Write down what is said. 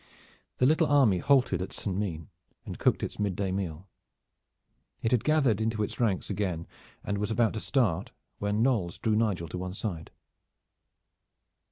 The little army halted at St. Meen and cooked its midday meal. It had gathered into its ranks again and was about to start, when Knolles drew Nigel to one side.